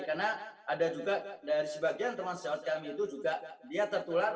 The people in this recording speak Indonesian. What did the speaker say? karena ada juga dari sebagian teman sejawat kami itu juga dia tertular